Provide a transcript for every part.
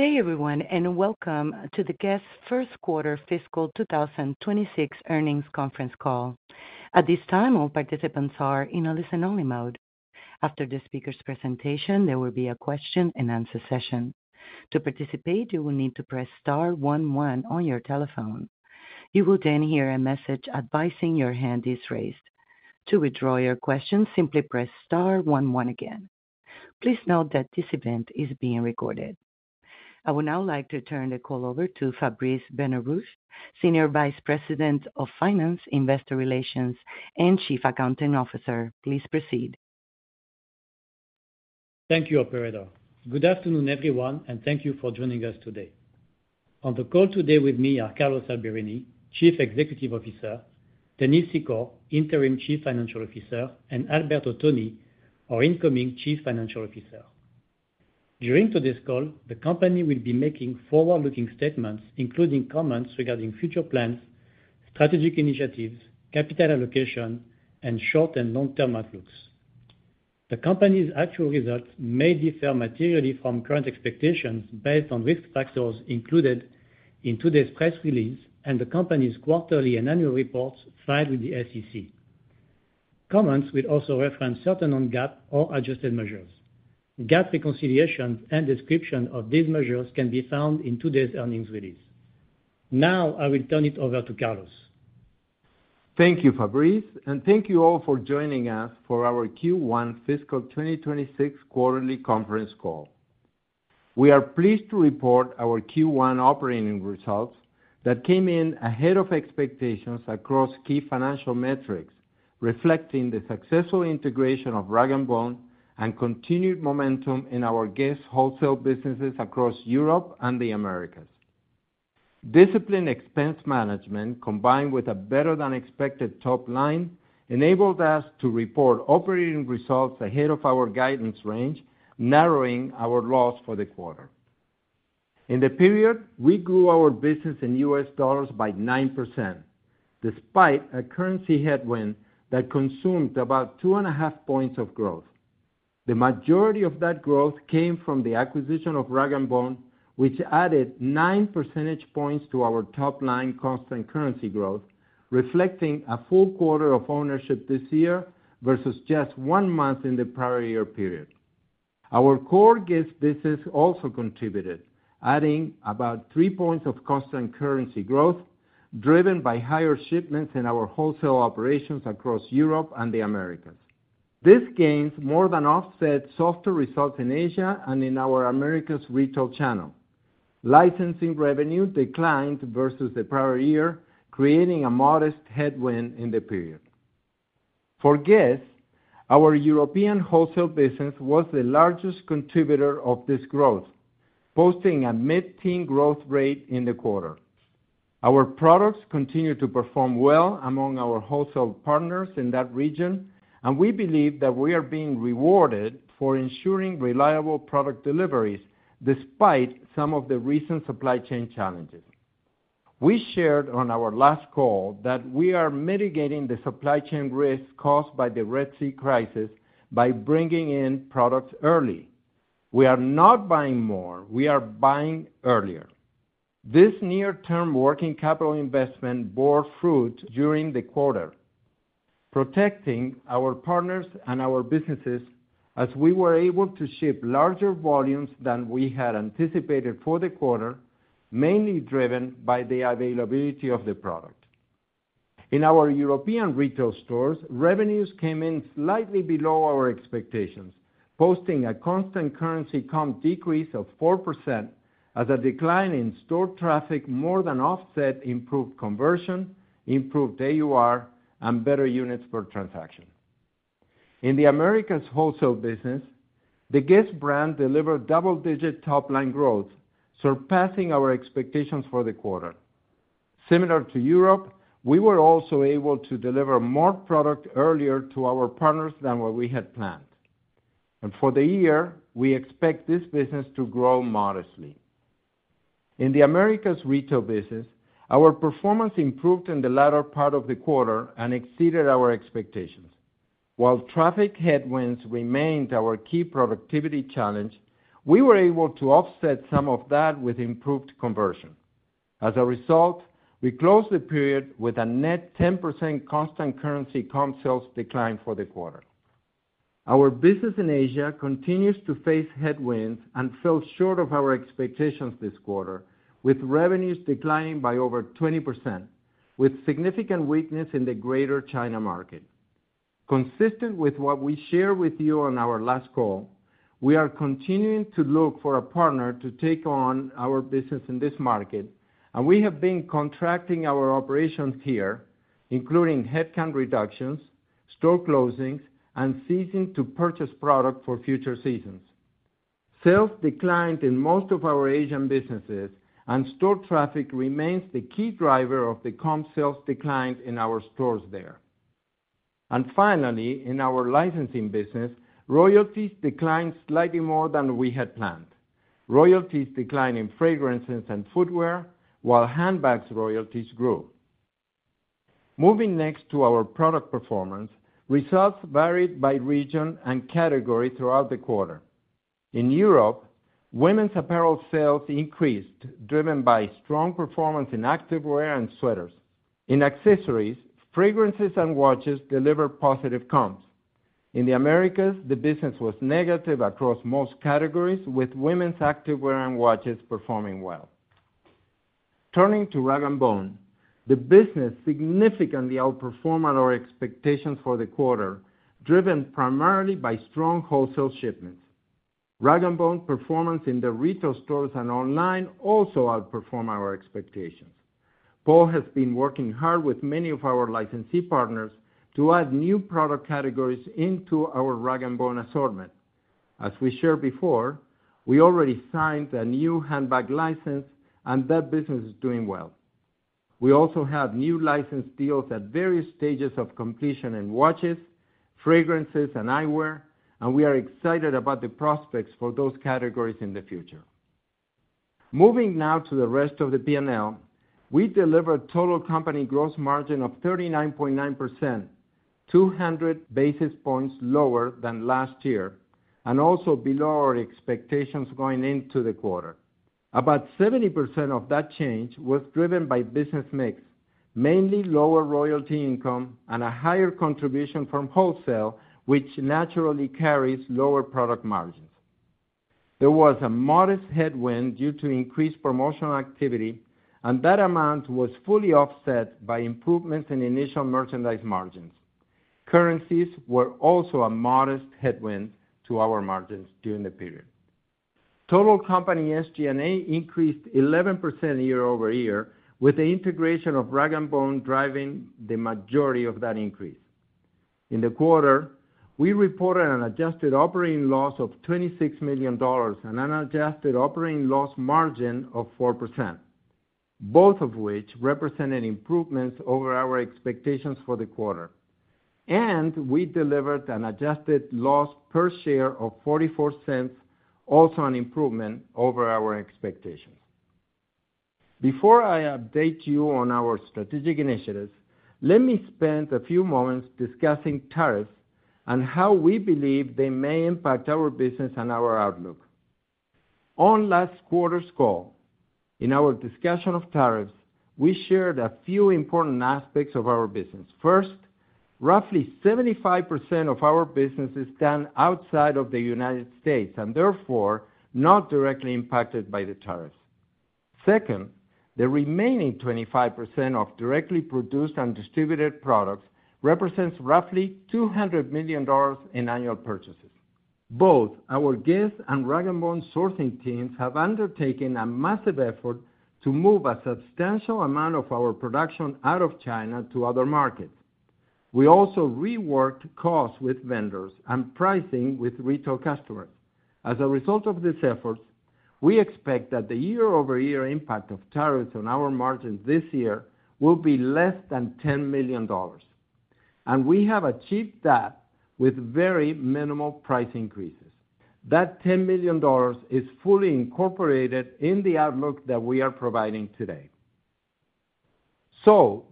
Good day, everyone, and welcome to the Guess? 1st quarter fiscal 2026 earnings conference call. At this time, all participants are in a listen-only mode. After the speaker's presentation, there will be a question-and-answer session. To participate, you will need to press star 11 on your telephone. You will then hear a message advising your hand is raised. To withdraw your question, simply press star 11 again. Please note that this event is being recorded. I would now like to turn the call over to Fabrice Benarouche, Senior Vice President of Finance, Investor Relations, and Chief Accounting Officer. Please proceed. Thank you, Operator. Good afternoon, everyone, and thank you for joining us today. On the call today with me are Carlos Alberini, Chief Executive Officer; Dennis Secor, Interim Chief Financial Officer; and Alberto Toni, our incoming Chief Financial Officer. During today's call, the company will be making forward-looking statements, including comments regarding future plans, strategic initiatives, capital allocation, and short- and long-term outlooks. The company's actual results may differ materially from current expectations based on risk factors included in today's press release and the company's quarterly and annual reports filed with the SEC. Comments will also reference certain GAAP or adjusted measures. GAAP reconciliations and descriptions of these measures can be found in today's earnings release. Now, I will turn it over to Carlos. Thank you, Fabrice, and thank you all for joining us for our Q1 fiscal 2026 quarterly conference call. We are pleased to report our Q1 operating results that came in ahead of expectations across key financial metrics, reflecting the successful integration of rag & bone and continued momentum in our Guess? wholesale businesses across Europe and the Americas. Disciplined expense management, combined with a better-than-expected top line, enabled us to report operating results ahead of our guidance range, narrowing our loss for the quarter. In the period, we grew our business in U.S. dollars by 9%, despite a currency headwind that consumed about two and 1/2% points of growth. The majority of that growth came from the acquisition of rag & bone, which added 9 percentage points to our top line constant currency growth, reflecting a full quarter of ownership this year versus just one month in the prior year period. Our core Guess? business also contributed, adding about three points of constant currency growth, driven by higher shipments in our wholesale operations across Europe and the Americas. This gain more than offsets softer results in Asia and in our Americas retail channel. Licensing revenue declined versus the prior year, creating a modest headwind in the period. For Guess?, our European wholesale business was the largest contributor of this growth, posting a mid-teen growth rate in the quarter. Our products continue to perform well among our wholesale partners in that region, and we believe that we are being rewarded for ensuring reliable product deliveries despite some of the recent supply chain challenges. We shared on our last call that we are mitigating the supply chain risk caused by the Red Sea crisis by bringing in products early. We are not buying more; we are buying earlier. This near-term working capital investment bore fruit during the quarter, protecting our partners and our businesses as we were able to ship larger volumes than we had anticipated for the quarter, mainly driven by the availability of the product. In our European retail stores, revenues came in slightly below our expectations, posting a constant currency comp decrease of 4% as a decline in store traffic more than offset improved conversion, improved AUR, and better units per transaction. In the Americas wholesale business, the Guess? brand delivered double-digit top line growth, surpassing our expectations for the quarter. Similar to Europe, we were also able to deliver more product earlier to our partners than what we had planned. For the year, we expect this business to grow modestly. In the Americas retail business, our performance improved in the latter part of the quarter and exceeded our expectations. While traffic headwinds remained our key productivity challenge, we were able to offset some of that with improved conversion. As a result, we closed the period with a net 10% constant currency comp sales decline for the quarter. Our business in Asia continues to face headwinds and fell short of our expectations this quarter, with revenues declining by over 20%, with significant weakness in the Greater China market. Consistent with what we shared with you on our last call, we are continuing to look for a partner to take on our business in this market, and we have been contracting our operations here, including headcount reductions, store closings, and ceasing to purchase product for future seasons. Sales declined in most of our Asian businesses, and store traffic remains the key driver of the comp sales decline in our stores there. Finally, in our licensing business, royalties declined slightly more than we had planned. Royalties declined in fragrances and footwear, while handbags' royalties grew. Moving next to our product performance, results varied by region and category throughout the quarter. In Europe, women's apparel sales increased, driven by strong performance in activewear and sweaters. In accessories, fragrances and watches delivered positive comps. In the Americas, the business was negative across most categories, with women's activewear and watches performing well. Turning to rag & bone, the business significantly outperformed our expectations for the quarter, driven primarily by strong wholesale shipments. rag & bone's performance in the retail stores and online also outperformed our expectations. Paul has been working hard with many of our licensee partners to add new product categories into our rag & bone assortment. As we shared before, we already signed a new handbag license, and that business is doing well. We also have new license deals at various stages of completion in watches, fragrances, and eyewear, and we are excited about the prospects for those categories in the future. Moving now to the rest of the P&L, we delivered total company gross margin of 39.9%, 200 basis points lower than last year, and also below our expectations going into the quarter. About 70% of that change was driven by business mix, mainly lower royalty income and a higher contribution from wholesale, which naturally carries lower product margins. There was a modest headwind due to increased promotional activity, and that amount was fully offset by improvements in initial merchandise margins. Currencies were also a modest headwind to our margins during the period. Total company SG&A increased 11% year over year, with the integration of rag & bone driving the majority of that increase. In the quarter, we reported an adjusted operating loss of $26 million and an adjusted operating loss margin of 4%, both of which represented improvements over our expectations for the quarter. We delivered an adjusted loss per share of $0.44, also an improvement over our expectations. Before I update you on our strategic initiatives, let me spend a few moments discussing tariffs and how we believe they may impact our business and our outlook. On last quarter's call, in our discussion of tariffs, we shared a few important aspects of our business. 1st, roughly 75% of our business is done outside of the U.S. and therefore not directly impacted by the tariffs. Second, the remaining 25% of directly produced and distributed products represents roughly $200 million in annual purchases. Both our Guess? and rag & bone sourcing teams have undertaken a massive effort to move a substantial amount of our production out of China to other markets. We also reworked costs with vendors and pricing with retail customers. As a result of these efforts, we expect that the year-over-year impact of tariffs on our margins this year will be less than $10 million. We have achieved that with very minimal price increases. That $10 million is fully incorporated in the outlook that we are providing today.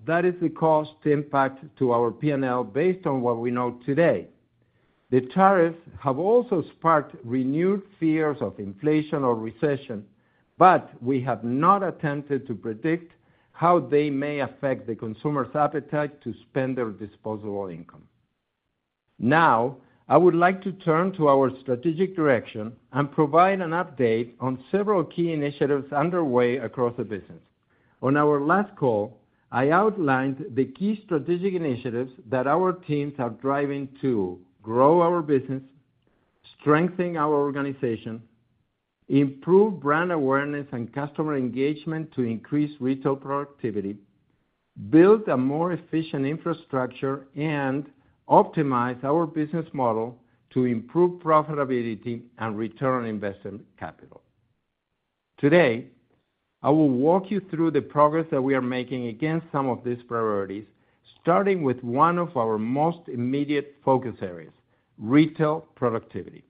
That is the cost impact to our P&L based on what we know today. The tariffs have also sparked renewed fears of inflation or recession, but we have not attempted to predict how they may affect the consumer's appetite to spend their disposable income. Now, I would like to turn to our strategic direction and provide an update on several key initiatives underway across the business. On our last call, I outlined the key strategic initiatives that our teams are driving to grow our business, strengthen our organization, improve brand awareness and customer engagement to increase retail productivity, build a more efficient infrastructure, and optimize our business model to improve profitability and return on invested capital. Today, I will walk you through the progress that we are making against some of these priorities, starting with one of our most immediate focus areas: retail productivity.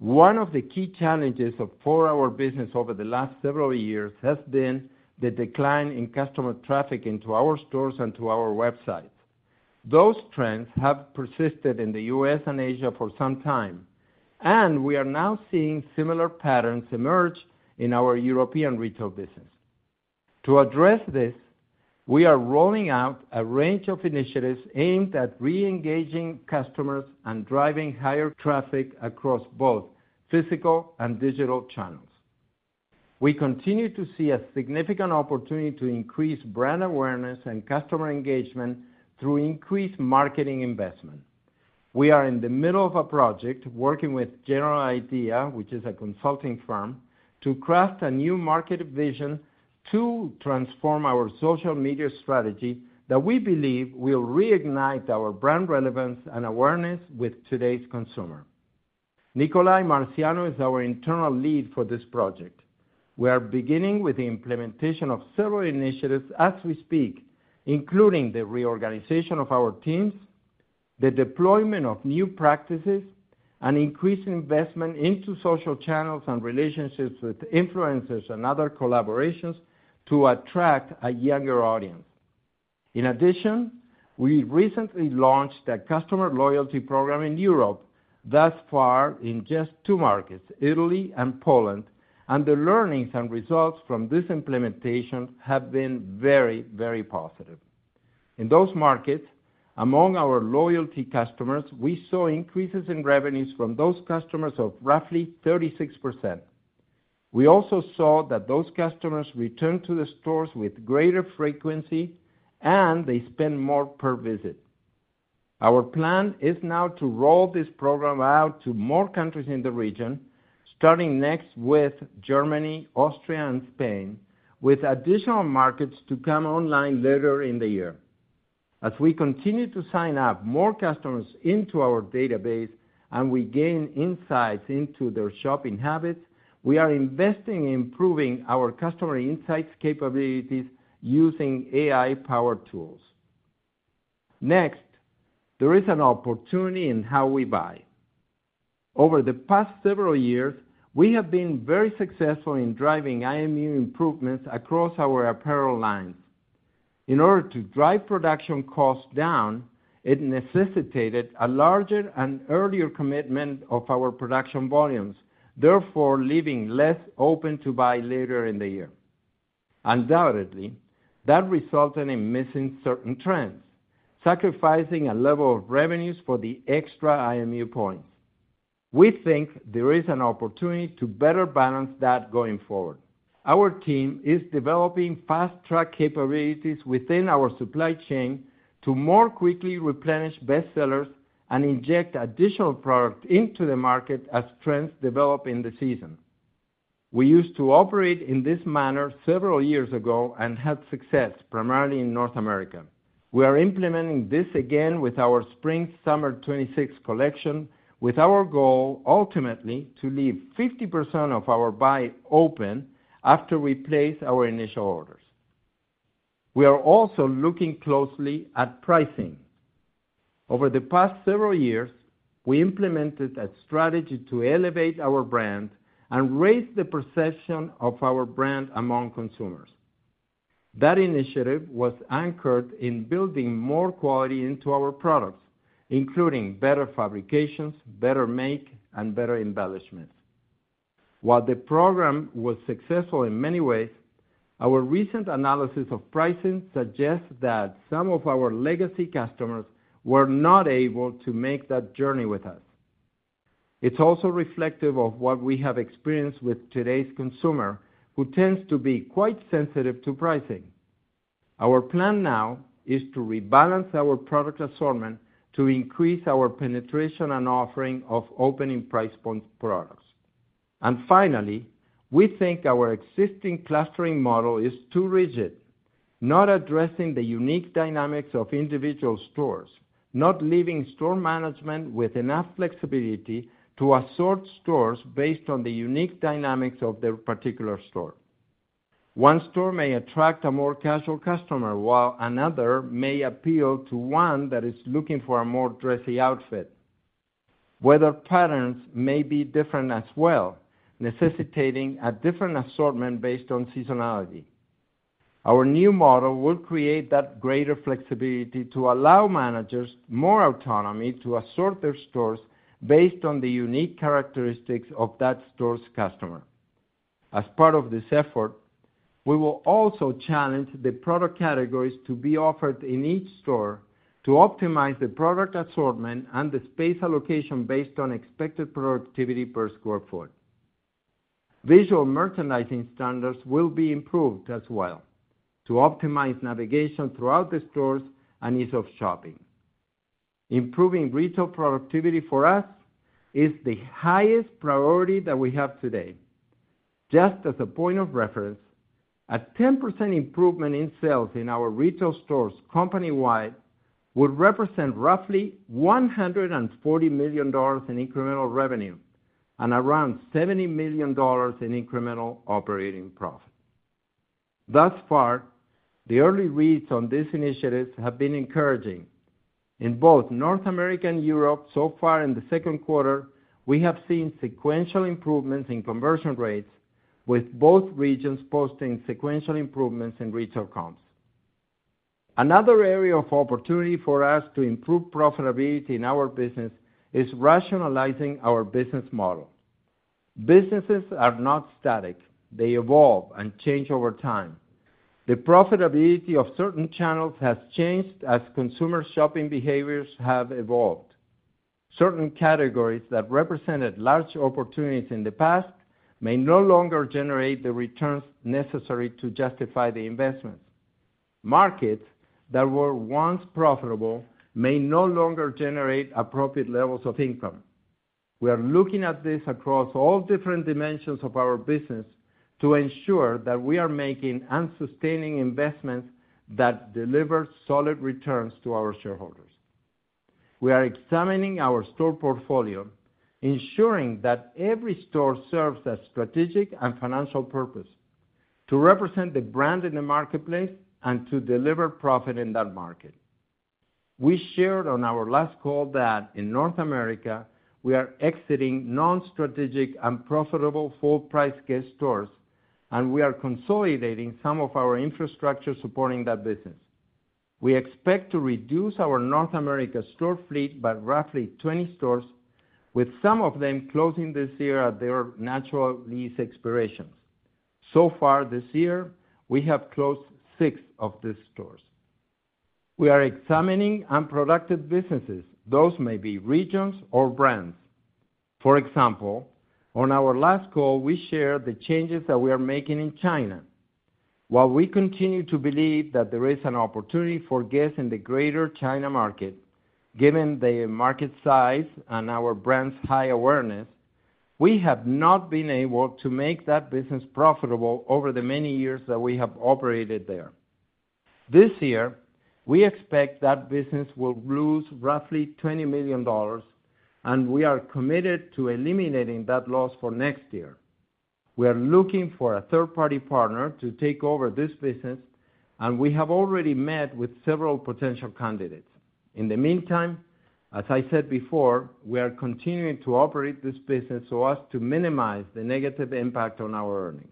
One of the key challenges for our business over the last several years has been the decline in customer traffic into our stores and to our websites. Those trends have persisted in the U.S. and Asia for some time, and we are now seeing similar patterns emerge in our European retail business. To address this, we are rolling out a range of initiatives aimed at re-engaging customers and driving higher traffic across both physical and digital channels. We continue to see a significant opportunity to increase brand awareness and customer engagement through increased marketing investment. We are in the middle of a project working with General Idea, which is a consulting firm, to craft a new market vision to transform our social media strategy that we believe will reignite our brand relevance and awareness with today's consumer. Nicolay Marciano is our internal lead for this project. We are beginning with the implementation of several initiatives as we speak, including the reorganization of our teams, the deployment of new practices, and increased investment into social channels and relationships with influencers and other collaborations to attract a younger audience. In addition, we recently launched a customer loyalty program in Europe, thus far in just two markets, Italy and Poland, and the learnings and results from this implementation have been very, very positive. In those markets, among our loyalty customers, we saw increases in revenues from those customers of roughly 36%. We also saw that those customers returned to the stores with greater frequency, and they spent more per visit. Our plan is now to roll this program out to more countries in the region, starting next with Germany, Austria, and Spain, with additional markets to come online later in the year. As we continue to sign up more customers into our database and we gain insights into their shopping habits, we are investing in improving our customer insights capabilities using AI-powered tools. Next, there is an opportunity in how we buy. Over the past several years, we have been very successful in driving IMU improvements across our apparel lines. In order to drive production costs down, it necessitated a larger and earlier commitment of our production volumes, therefore leaving less open to buy later in the year. Undoubtedly, that resulted in missing certain trends, sacrificing a level of revenues for the extra IMU points. We think there is an opportunity to better balance that going forward. Our team is developing fast-track capabilities within our supply chain to more quickly replenish bestsellers and inject additional product into the market as trends develop in the season. We used to operate in this manner several years ago and had success, primarily in North America. We are implementing this again with our Spring/Summer 2026 collection, with our goal ultimately to leave 50% of our buy open after we place our initial orders. We are also looking closely at pricing. Over the past several years, we implemented a strategy to elevate our brand and raise the perception of our brand among consumers. That initiative was anchored in building more quality into our products, including better fabrications, better make, and better embellishments. While the program was successful in many ways, our recent analysis of pricing suggests that some of our legacy customers were not able to make that journey with us. It is also reflective of what we have experienced with today's consumer, who tends to be quite sensitive to pricing. Our plan now is to rebalance our product assortment to increase our penetration and offering of opening price point products. Finally, we think our existing clustering model is too rigid, not addressing the unique dynamics of individual stores, not leaving store management with enough flexibility to assort stores based on the unique dynamics of their particular store. One store may attract a more casual customer, while another may appeal to one that is looking for a more dressy outfit. Weather patterns may be different as well, necessitating a different assortment based on seasonality. Our new model will create that greater flexibility to allow managers more autonomy to assort their stores based on the unique characteristics of that store's customer. As part of this effort, we will also challenge the product categories to be offered in each store to optimize the product assortment and the space allocation based on expected productivity per sq ft. Visual merchandising standards will be improved as well to optimize navigation throughout the stores and ease of shopping. Improving retail productivity for us is the highest priority that we have today. Just as a point of reference, a 10% improvement in sales in our retail stores company-wide would represent roughly $140 million in incremental revenue and around $70 million in incremental operating profit. Thus far, the early reads on these initiatives have been encouraging. In both North America and Europe so far in the 2nd quarter, we have seen sequential improvements in conversion rates, with both regions posting sequential improvements in retail comps. Another area of opportunity for us to improve profitability in our business is rationalizing our business model. Businesses are not static. They evolve and change over time. The profitability of certain channels has changed as consumer shopping behaviors have evolved. Certain categories that represented large opportunities in the past may no longer generate the returns necessary to justify the investments. Markets that were once profitable may no longer generate appropriate levels of income. We are looking at this across all different dimensions of our business to ensure that we are making and sustaining investments that deliver solid returns to our shareholders. We are examining our store portfolio, ensuring that every store serves a strategic and financial purpose to represent the brand in the marketplace and to deliver profit in that market. We shared on our last call that in North America, we are exiting non-strategic and unprofitable full-price Guess? stores, and we are consolidating some of our infrastructure supporting that business. We expect to reduce our North America store fleet by roughly 20 stores, with some of them closing this year at their natural lease expirations. So far this year, we have closed six of these stores. We are examining unproductive businesses. Those may be regions or brands. For example, on our last call, we shared the changes that we are making in China. While we continue to believe that there is an opportunity for Guess? in the Greater China market, given the market size and our brand's high awareness, we have not been able to make that business profitable over the many years that we have operated there. This year, we expect that business will lose roughly $20 million, and we are committed to eliminating that loss for next year. We are looking for a third-party partner to take over this business, and we have already met with several potential candidates. In the meantime, as I said before, we are continuing to operate this business so as to minimize the negative impact on our earnings.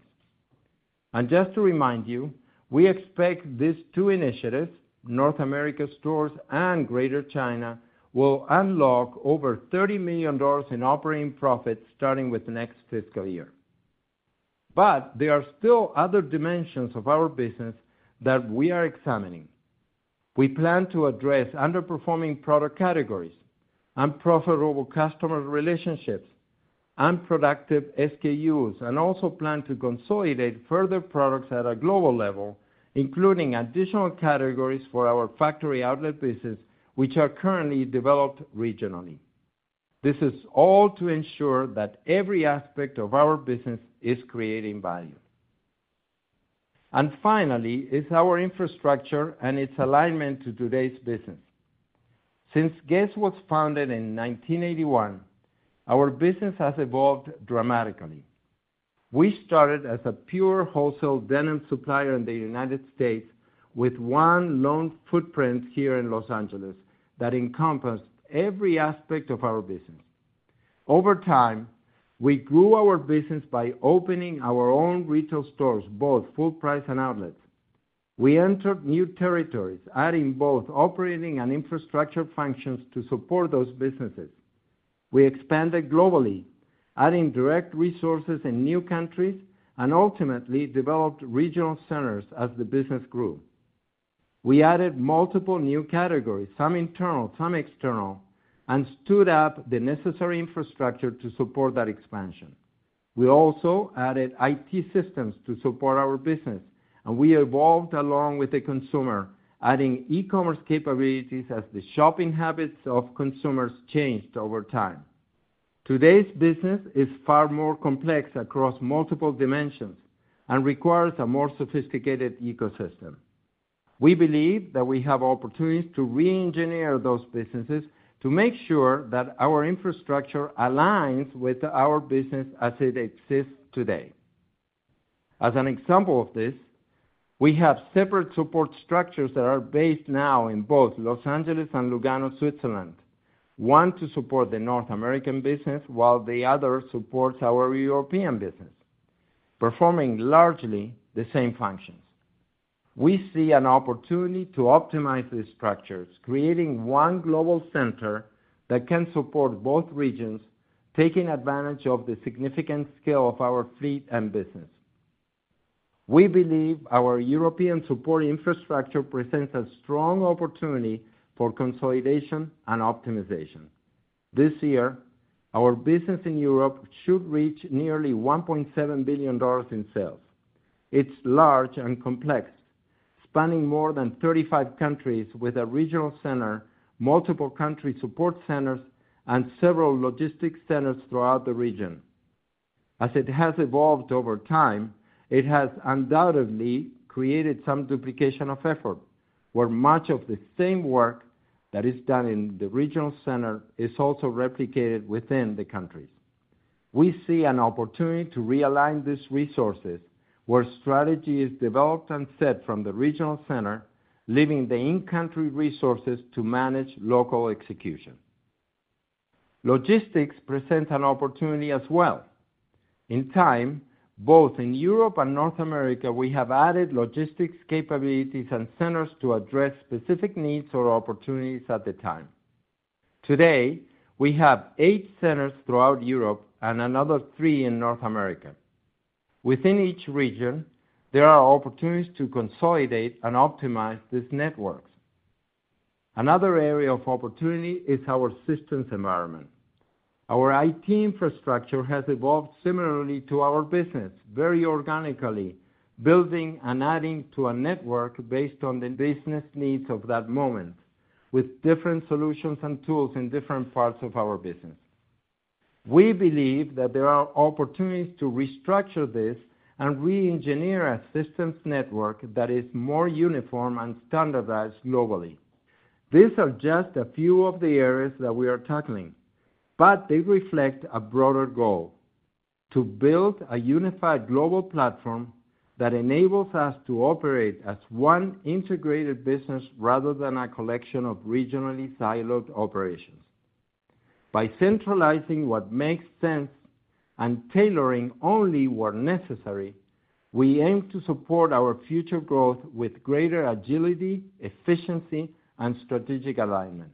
Just to remind you, we expect these two initiatives, North America stores and Greater China, will unlock over $30 million in operating profit starting with next fiscal year. There are still other dimensions of our business that we are examining. We plan to address underperforming product categories, unprofitable customer relationships, unproductive SKUs, and also plan to consolidate further products at a global level, including additional categories for our factory outlet business, which are currently developed regionally. This is all to ensure that every aspect of our business is creating value. Finally, it is our infrastructure and its alignment to today's business. Since Guess? was founded in 1981, our business has evolved dramatically. We started as a pure wholesale denim supplier in the United States with one lone footprint here in Los Angeles that encompassed every aspect of our business. Over time, we grew our business by opening our own retail stores, both full-price and outlets. We entered new territories, adding both operating and infrastructure functions to support those businesses. We expanded globally, adding direct resources in new countries, and ultimately developed regional centers as the business grew. We added multiple new categories, some internal, some external, and stood up the necessary infrastructure to support that expansion. We also added IT systems to support our business, and we evolved along with the consumer, adding e-commerce capabilities as the shopping habits of consumers changed over time. Today's business is far more complex across multiple dimensions and requires a more sophisticated ecosystem. We believe that we have opportunities to re-engineer those businesses to make sure that our infrastructure aligns with our business as it exists today. As an example of this, we have separate support structures that are based now in both Los Angeles and Lugano, Switzerland, one to support the North American business while the other supports our European business, performing largely the same functions. We see an opportunity to optimize these structures, creating one global center that can support both regions, taking advantage of the significant scale of our fleet and business. We believe our European support infrastructure presents a strong opportunity for consolidation and optimization. This year, our business in Europe should reach nearly $1.7 billion in sales. It's large and complex, spanning more than 35 countries with a regional center, multiple country support centers, and several logistics centers throughout the region. As it has evolved over time, it has undoubtedly created some duplication of effort, where much of the same work that is done in the regional center is also replicated within the countries. We see an opportunity to realign these resources where strategy is developed and set from the regional center, leaving the in-country resources to manage local execution. Logistics presents an opportunity as well. In time, both in Europe and North America, we have added logistics capabilities and centers to address specific needs or opportunities at the time. Today, we have eight centers throughout Europe and another three in North America. Within each region, there are opportunities to consolidate and optimize these networks. Another area of opportunity is our systems environment. Our IT infrastructure has evolved similarly to our business, very organically, building and adding to a network based on the business needs of that moment, with different solutions and tools in different parts of our business. We believe that there are opportunities to restructure this and re-engineer a systems network that is more uniform and standardized globally. These are just a few of the areas that we are tackling, but they reflect a broader goal: to build a unified global platform that enables us to operate as one integrated business rather than a collection of regionally siloed operations. By centralizing what makes sense and tailoring only what's necessary, we aim to support our future growth with greater agility, efficiency, and strategic alignment.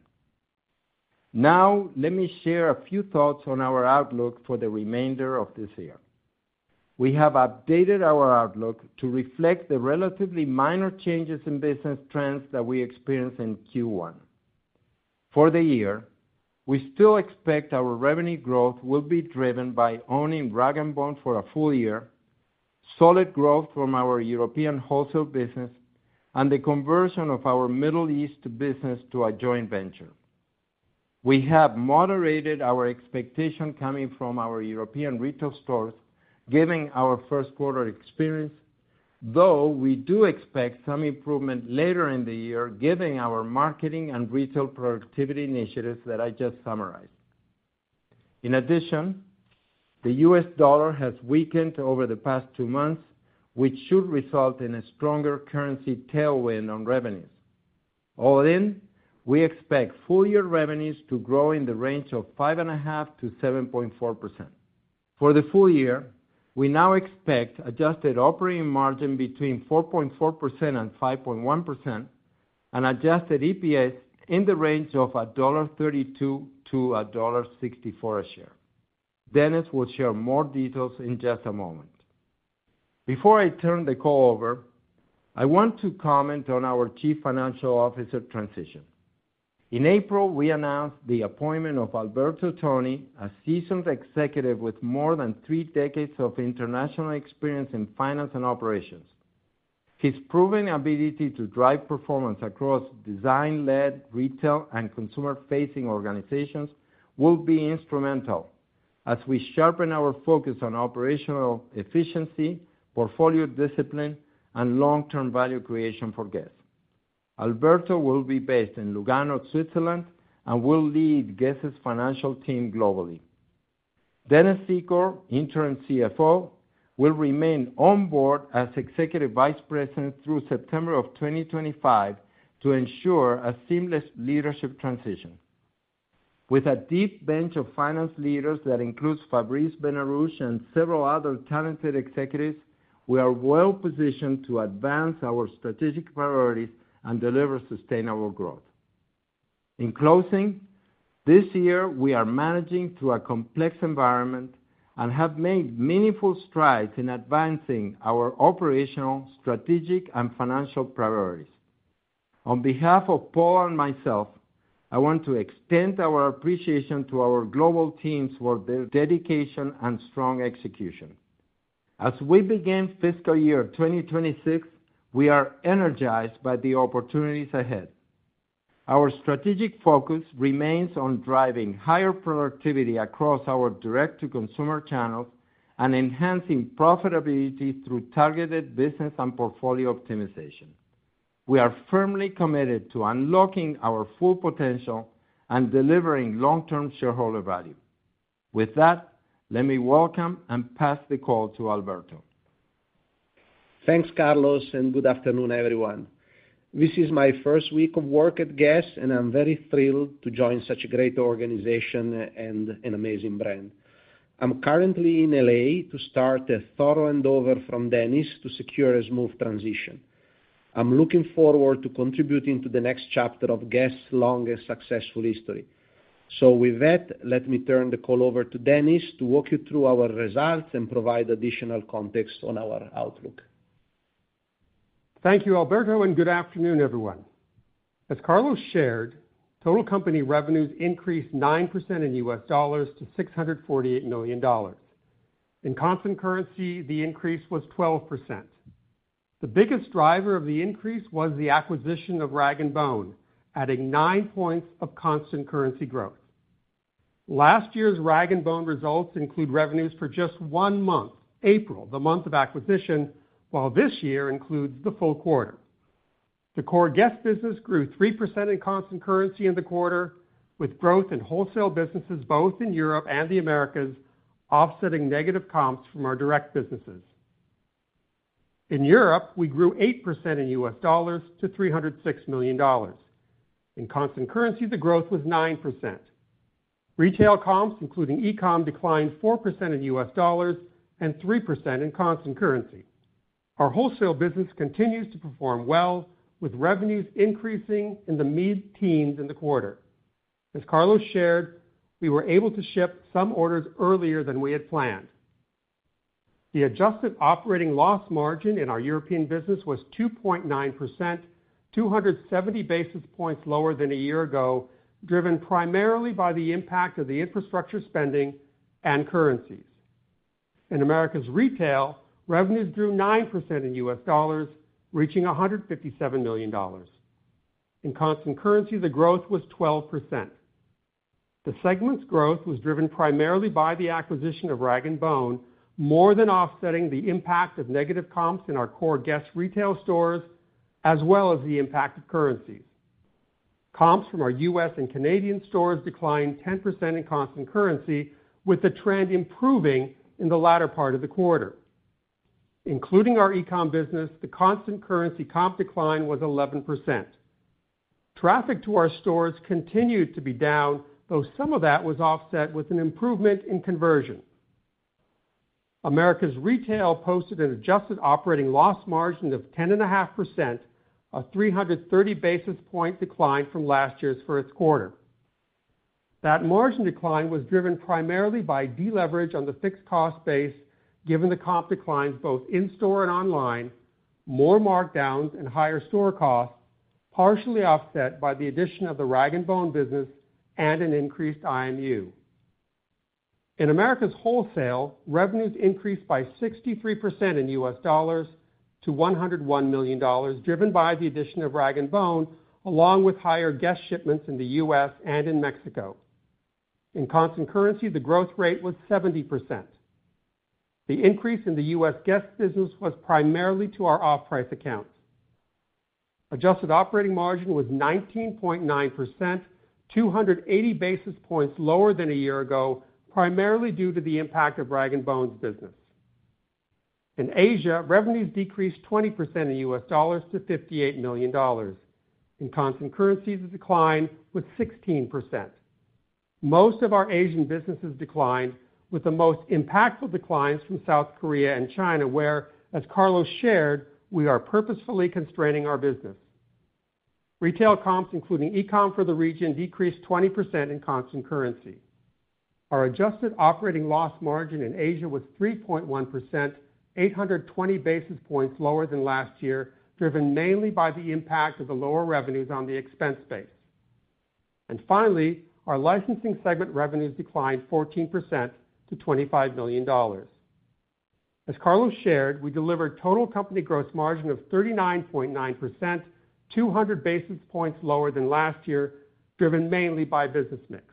Now, let me share a few thoughts on our outlook for the remainder of this year. We have updated our outlook to reflect the relatively minor changes in business trends that we experienced in Q1. For the year, we still expect our revenue growth will be driven by owning rag & bone for a full year, solid growth from our European wholesale business, and the conversion of our Middle East business to a joint venture. We have moderated our expectation coming from our European retail stores, given our first-quarter experience, though we do expect some improvement later in the year, given our marketing and retail productivity initiatives that I just summarized. In addition, the U.S. dollar has weakened over the past two months, which should result in a stronger currency tailwind on revenues. All in, we expect full-year revenues to grow in the range of 5.5%-7.4%. For the full year, we now expect adjusted operating margin between 4.4% and 5.1% and adjusted EPS in the range of $1.32-$1.64 a share. Dennis will share more details in just a moment. Before I turn the call over, I want to comment on our Chief Financial Officer transition. In April, we announced the appointment of Alberto Toni, a seasoned executive with more than three decades of international experience in finance and operations. His proven ability to drive performance across design-led retail and consumer-facing organizations will be instrumental as we sharpen our focus on operational efficiency, portfolio discipline, and long-term value creation for Guess?. Alberto will be based in Lugano, Switzerland, and will lead Guess?'s financial team globally. Dennis Secor, Interim CFO, will remain on board as Executive Vice President through September of 2025 to ensure a seamless leadership transition. With a deep bench of finance leaders that includes Fabrice Benarouche, Dennis Secor, and several other talented executives, we are well-positioned to advance our strategic priorities and deliver sustainable growth. In closing, this year, we are managing through a complex environment and have made meaningful strides in advancing our operational, strategic, and financial priorities. On behalf of Paul and myself, I want to extend our appreciation to our global teams for their dedication and strong execution. As we begin fiscal year 2026, we are energized by the opportunities ahead. Our strategic focus remains on driving higher productivity across our direct-to-consumer channels and enhancing profitability through targeted business and portfolio optimization. We are firmly committed to unlocking our full potential and delivering long-term shareholder value. With that, let me welcome and pass the call to Alberto. Thanks, Carlos, and good afternoon, everyone. This is my first week of work at Guess?, and I'm very thrilled to join such a great organization and an amazing brand. I'm currently in Los Angeles to start a thorough handover from Dennis to secure a smooth transition. I'm looking forward to contributing to the next chapter of Guess?'s long and successful history. With that, let me turn the call over to Dennis to walk you through our results and provide additional context on our outlook. Thank you, Alberto, and good afternoon, everyone. As Carlos shared, total company revenues increased 9% in US dollars to $648 million. In constant currency, the increase was 12%. The biggest driver of the increase was the acquisition of rag & bone, adding 9 points of constant currency growth. Last year's Rag & Bone results include revenues for just one month, April, the month of acquisition, while this year includes the full quarter. The core Guess? business grew 3% in constant currency in the quarter, with growth in wholesale businesses both in Europe and the Americas, offsetting negative comps from our direct businesses. In Europe, we grew 8% in US dollars to $306 million. In constant currency, the growth was 9%. Retail comps, including e-com, declined 4% in US dollars and 3% in constant currency. Our wholesale business continues to perform well, with revenues increasing in the mid-teens in the quarter. As Carlos shared, we were able to ship some orders earlier than we had planned. The adjusted operating loss margin in our European business was 2.9%, 270 basis points lower than a year ago, driven primarily by the impact of the infrastructure spending and currencies. In Americas retail, revenues grew 9% in US dollars, reaching $157 million. In constant currency, the growth was 12%. The segment's growth was driven primarily by the acquisition of rag & bone, more than offsetting the impact of negative comps in our core Guess? retail stores, as well as the impact of currencies. Comps from our U.S. and Canadian stores declined 10% in constant currency, with the trend improving in the latter part of the quarter. Including our e-com business, the constant currency comp decline was 11%. Traffic to our stores continued to be down, though some of that was offset with an improvement in conversion. Americas retail posted an adjusted operating loss margin of 10.5%, a 330 basis point decline from last year's first quarter. That margin decline was driven primarily by deleverage on the fixed cost base, given the comp declines both in-store and online, more markdowns, and higher store costs, partially offset by the addition of the rag & bone business and an increased IMU. In Americas wholesale, revenues increased by 63% in US dollars to $101 million, driven by the addition of rag & bone, along with higher Guess? shipments in the United States and in Mexico. In constant currency, the growth rate was 70%. The increase in the United States Guess? business was primarily to our off-price accounts. Adjusted operating margin was 19.9%, 280 basis points lower than a year ago, primarily due to the impact of rag & bone's business. In Asia, revenues decreased 20% in US dollars to $58 million. In constant currency, the decline was 16%. Most of our Asian businesses declined, with the most impactful declines from South Korea and Greater China, where, as Carlos shared, we are purposefully constraining our business. Retail comps, including e-com for the region, decreased 20% in constant currency. Our adjusted operating loss margin in Asia was 3.1%, 820 basis points lower than last year, driven mainly by the impact of the lower revenues on the expense base. Finally, our licensing segment revenues declined 14% to $25 million. As Carlos shared, we delivered total company gross margin of 39.9%, 200 basis points lower than last year, driven mainly by business mix.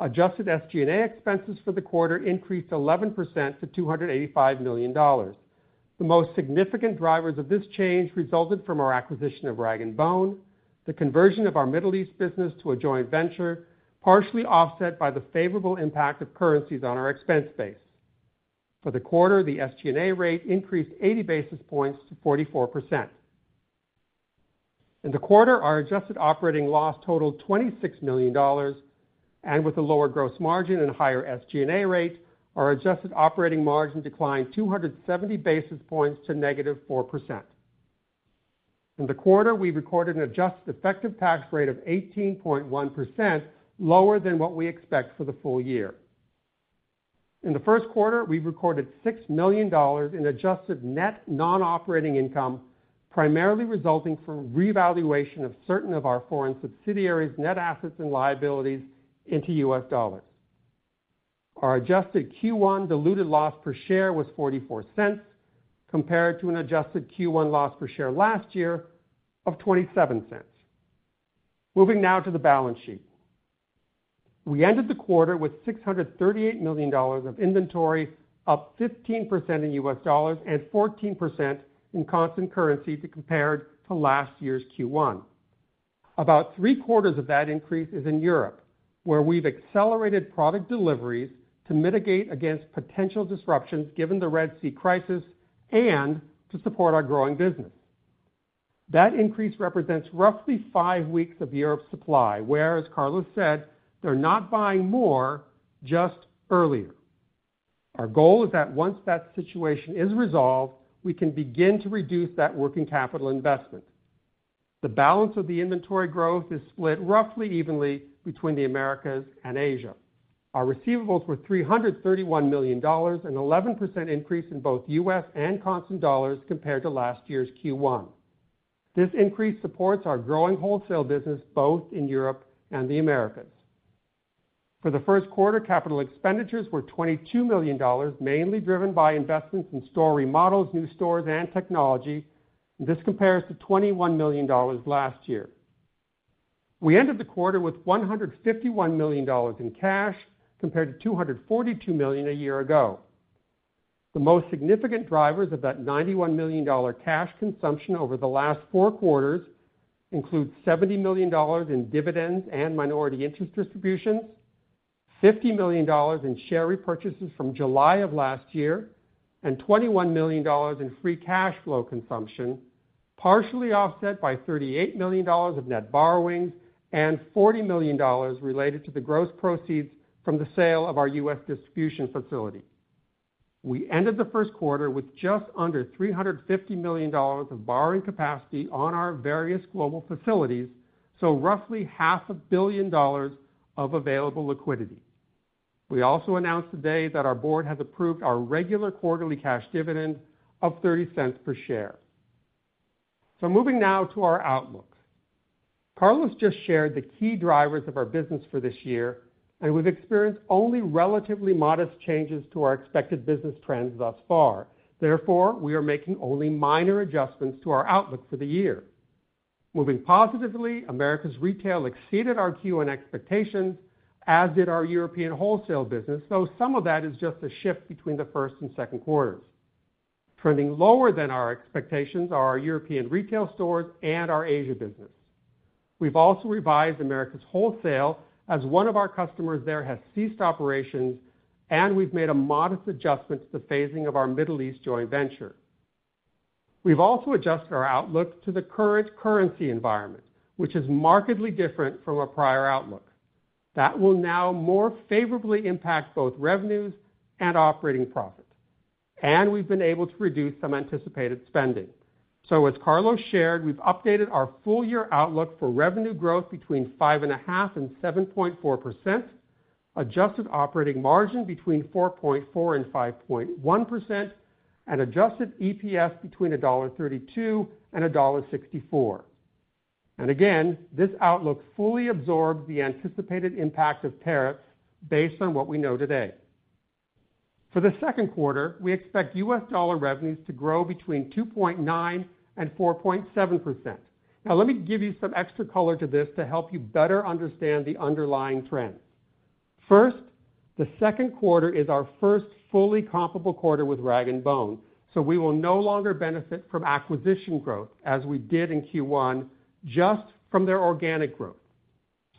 Adjusted SG&A expenses for the quarter increased 11% to $285 million. The most significant drivers of this change resulted from our acquisition of Rag & Bone, the conversion of our Middle East business to a joint venture, partially offset by the favorable impact of currencies on our expense base. For the quarter, the SG&A rate increased 80 basis points to 44%. In the quarter, our adjusted operating loss totaled $26 million, and with a lower gross margin and higher SG&A rate, our adjusted operating margin declined 270 basis points to negative 4%. In the quarter, we recorded an adjusted effective tax rate of 18.1%, lower than what we expect for the full year. In the first quarter, we recorded $6 million in adjusted net non-operating income, primarily resulting from revaluation of certain of our foreign subsidiaries' net assets and liabilities into US dollars. Our adjusted Q1 diluted loss per share was $0.44, compared to an adjusted Q1 loss per share last year of $0.27. Moving now to the balance sheet. We ended the quarter with $638 million of inventory, up 15% in US dollars and 14% in constant currency compared to last year's Q1. About three quarters of that increase is in Europe, where we've accelerated product deliveries to mitigate against potential disruptions given the Red Sea crisis and to support our growing business. That increase represents roughly five weeks of Europe's supply, where, as Carlos said, they're not buying more, just earlier. Our goal is that once that situation is resolved, we can begin to reduce that working capital investment. The balance of the inventory growth is split roughly evenly between the Americas and Asia. Our receivables were $331 million, an 11% increase in both US and constant dollars compared to last year's Q1. This increase supports our growing wholesale business both in Europe and the Americas. For the 1st quarter, capital expenditures were $22 million, mainly driven by investments in store remodels, new stores, and technology. This compares to $21 million last year. We ended the quarter with $151 million in cash compared to $242 million a year ago. The most significant drivers of that $91 million cash consumption over the last four quarters include $70 million in dividends and minority interest distributions, $50 million in share repurchases from July of last year, and $21 million in free cash flow consumption, partially offset by $38 million of net borrowings and $40 million related to the gross proceeds from the sale of our US distribution facility. We ended the first quarter with just under $350 million of borrowing capacity on our various global facilities, so roughly half a billion dollars of available liquidity. We also announced today that our board has approved our regular quarterly cash dividend of $0.30 per share. Moving now to our outlook. Carlos just shared the key drivers of our business for this year, and we've experienced only relatively modest changes to our expected business trends thus far. Therefore, we are making only minor adjustments to our outlook for the year. Moving positively, Americas retail exceeded our Q1 expectations, as did our European wholesale business, though some of that is just a shift between the first and second quarters. Trending lower than our expectations are our European retail stores and our Asia business. We've also revised Americas wholesale as one of our customers there has ceased operations, and we've made a modest adjustment to the phasing of our Middle East joint venture. We've also adjusted our outlook to the current currency environment, which is markedly different from a prior outlook. That will now more favorably impact both revenues and operating profit. We've been able to reduce some anticipated spending. As Carlos shared, we have updated our full year outlook for revenue growth between 5.5% and 7.4%, adjusted operating margin between 4.4% and 5.1%, and adjusted EPS between $1.32 and $1.64. Again, this outlook fully absorbs the anticipated impact of tariffs based on what we know today. For the second quarter, we expect US dollar revenues to grow between 2.9% and 4.7%. Now, let me give you some extra color to this to help you better understand the underlying trend. 1st, the 2nd quarter is our first fully comparable quarter with rag & bone, so we will no longer benefit from acquisition growth as we did in Q1, just from their organic growth.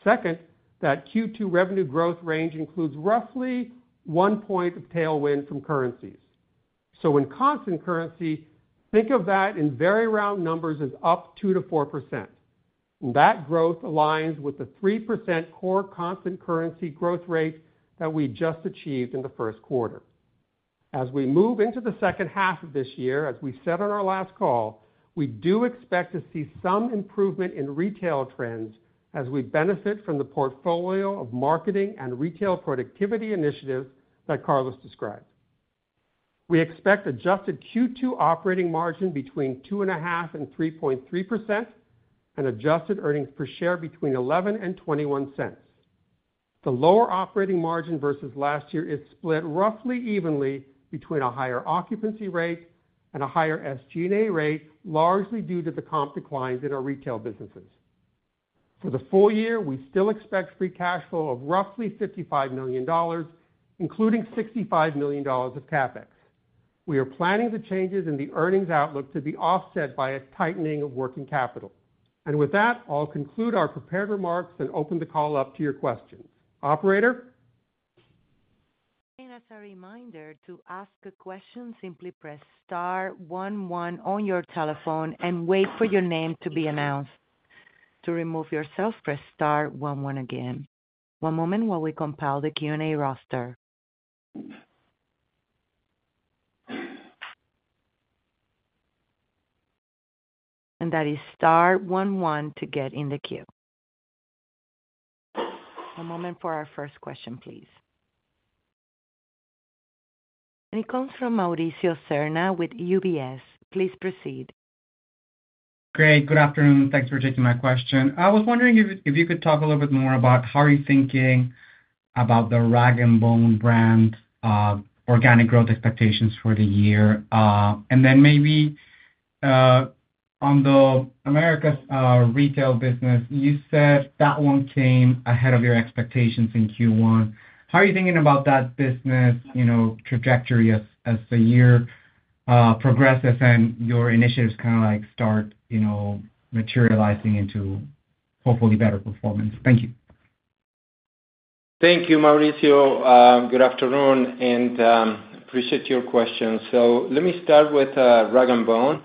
Second, that Q2 revenue growth range includes roughly one point of tailwind from currencies. In constant currency, think of that in very round numbers as up 2% to 4%. That growth aligns with the 3% core constant currency growth rate that we just achieved in the first quarter. As we move into the 2nd half of this year, as we said on our last call, we do expect to see some improvement in retail trends as we benefit from the portfolio of marketing and retail productivity initiatives that Carlos described. We expect adjusted Q2 operating margin between 2.5%-3.3%, and adjusted earnings per share between $0.11-$0.21. The lower operating margin versus last year is split roughly evenly between a higher occupancy rate and a higher SG&A rate, largely due to the comp declines in our retail businesses. For the full year, we still expect free cash flow of roughly $55 million, including $65 million of CapEx. We are planning the changes in the earnings outlook to be offset by a tightening of working capital. With that, I'll conclude our prepared remarks and open the call up to your questions. Operator? That's a reminder to ask a question. Simply press star 11 on your telephone and wait for your name to be announced. To remove yourself, press star 11 again. One moment while we compile the Q&A roster. That is Star 11 to get in the queue. One moment for our first question, please. It comes from Mauricio Serna with UBS. Please proceed. Great. Good afternoon. Thanks for taking my question. I was wondering if you could talk a little bit more about how you are thinking about the rag & bone brand's organic growth expectations for the year. Then maybe on the Americas retail business, you said that one came ahead of your expectations in Q1. How are you thinking about that business trajectory as the year progresses and your initiatives kind of start materializing into, hopefully, better performance? Thank you. Thank you, Mauricio. Good afternoon, and appreciate your questions. Let me start with rag & bone.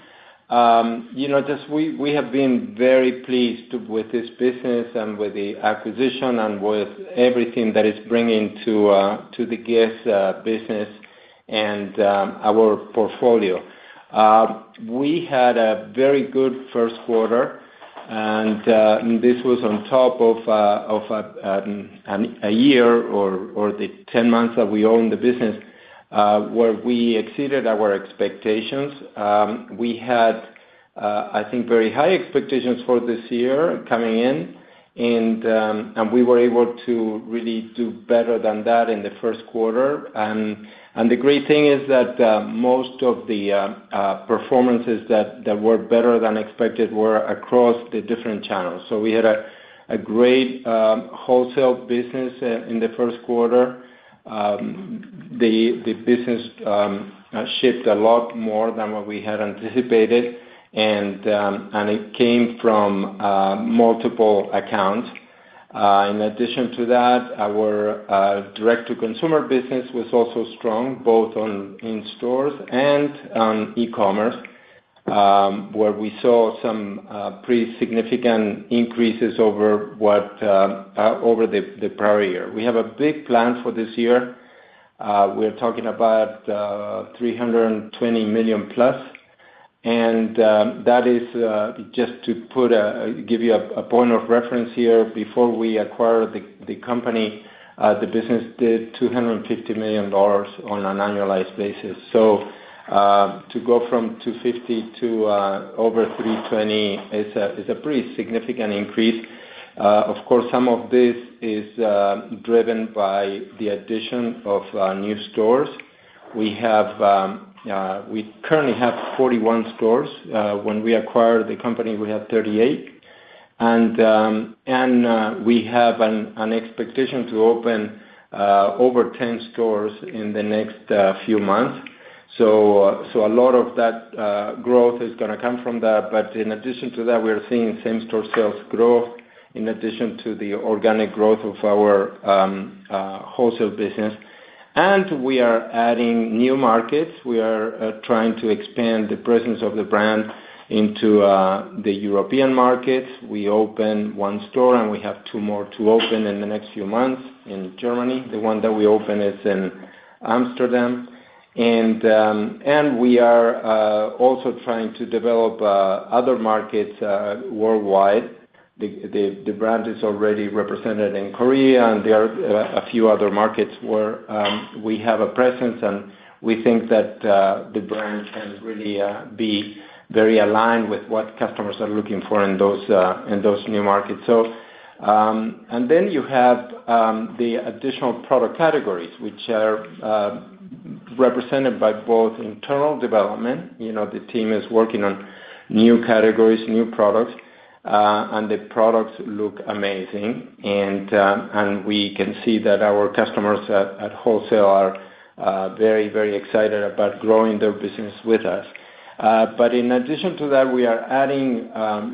We have been very pleased with this business and with the acquisition and with everything that it is bringing to the Guess? business and our portfolio. We had a very good first quarter, and this was on top of a year or the 10 months that we owned the business, where we exceeded our expectations. We had, I think, very high expectations for this year coming in, and we were able to really do better than that in the 1st quarter. The great thing is that most of the performances that were better than expected were across the different channels. We had a great wholesale business in the 1st quarter. The business shipped a lot more than what we had anticipated, and it came from multiple accounts. In addition to that, our direct-to-consumer business was also strong, both in stores and on e-commerce, where we saw some pretty significant increases over the prior year. We have a big plan for this year. We're talking about $320 million plus. That is, just to give you a point of reference here, before we acquired the company, the business did $250 million on an annualized basis. To go from $250 million-$320 million is a pretty significant increase. Of course, some of this is driven by the addition of new stores. We currently have 41 stores. When we acquired the company, we had 38. We have an expectation to open over 10 stores in the next few months. A lot of that growth is going to come from that. In addition to that, we are seeing same-store sales growth in addition to the organic growth of our wholesale business. We are adding new markets. We are trying to expand the presence of the brand into the European markets. We opened one store, and we have two more to open in the next few months in Germany. The one that we opened is in Amsterdam. We are also trying to develop other markets worldwide. The brand is already represented in Korea, and there are a few other markets where we have a presence, and we think that the brand can really be very aligned with what customers are looking for in those new markets. Then you have the additional product categories, which are represented by both internal development. The team is working on new categories, new products, and the products look amazing. We can see that our customers at wholesale are very, very excited about growing their business with us. In addition to that, we are adding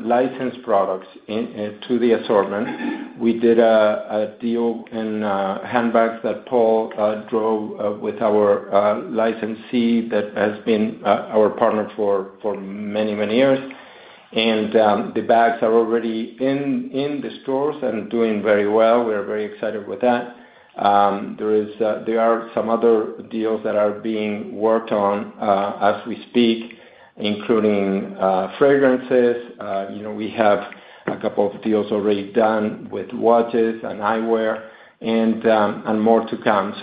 licensed products to the assortment. We did a deal in handbags that Paul drove with our licensee that has been our partner for many, many years. The bags are already in the stores and doing very well. We are very excited with that. There are some other deals that are being worked on as we speak, including fragrances. We have a couple of deals already done with watches and eyewear and more to come.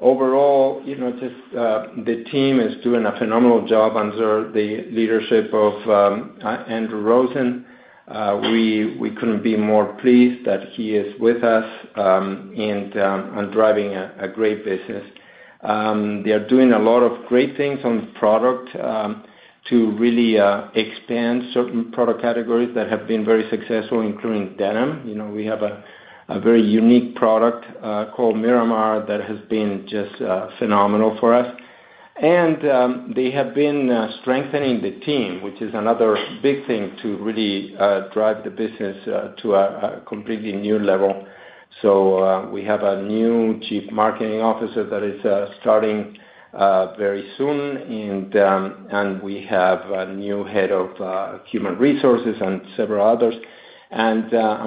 Overall, just the team is doing a phenomenal job under the leadership of Andrew Rosen. We could not be more pleased that he is with us and driving a great business. They are doing a lot of great things on product to really expand certain product categories that have been very successful, including denim. We have a very unique product called Miramar that has been just phenomenal for us. They have been strengthening the team, which is another big thing to really drive the business to a completely new level. We have a new Chief Marketing Officer that is starting very soon, and we have a new head of human resources and several others.